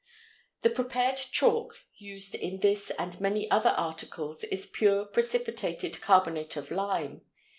The prepared chalk used in this and many other articles is pure precipitated carbonate of lime.